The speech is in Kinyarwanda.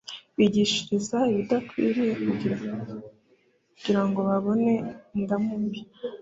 bigishiriza ibidakwiriye kugira ngo babone indamu mbi